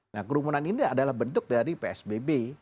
nah kerumunan ini adalah bentuk dari psbb